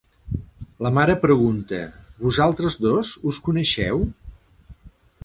La mare pregunta: "Vosaltres dos us coneixeu?".